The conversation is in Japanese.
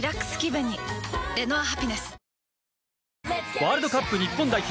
ワールドカップ日本代表